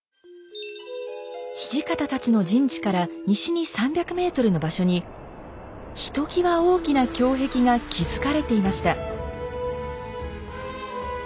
土方たちの陣地から西に３００ｍの場所にひときわ大きな胸壁が築かれていました。